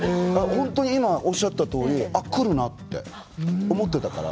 ほんとに今おっしゃったとおり「あっくるな」って思ってたから。